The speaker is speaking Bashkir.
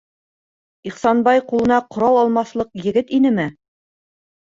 Ихсанбай ҡулына ҡорал алмаҫлыҡ егет инеме?